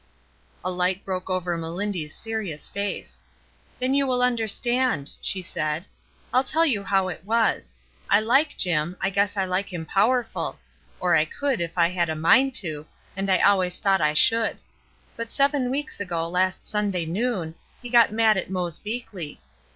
A light broke over Melindy's serious face. "Then you will understand," she said. "I'll tell you how it was. I' like Jim, I guess I hke him powerful ; or I could if I had a mind to, and I always thought I should; but seven weeks ago last Sunday noon, he got mad at Mose Beakley.